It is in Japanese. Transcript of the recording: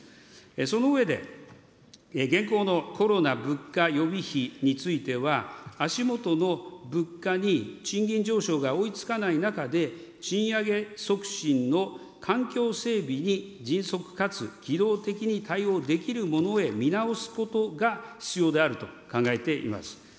その上で、現行のコロナ物価予備費については、足下の物価に賃金上昇が追いつかない中で、賃上げ促進の環境整備に迅速かつ機動的に対応できるものへ見直すことが必要であると考えています。